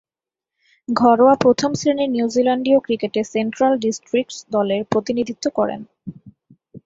ঘরোয়া প্রথম-শ্রেণীর নিউজিল্যান্ডীয় ক্রিকেটে সেন্ট্রাল ডিস্ট্রিক্টস দলের প্রতিনিধিত্ব করেন।